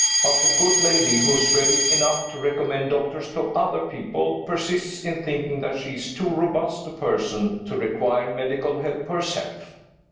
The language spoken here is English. But the good lady (who is ready enough to recommend doctors to other people) persists in thinking that she is too robust a person to require medical help herself.